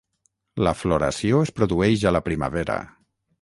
La floració es produeix a la primavera.